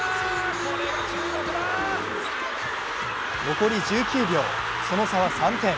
残り１９秒、その差は３点。